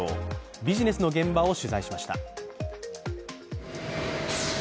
ビジネスの現場を取材しました。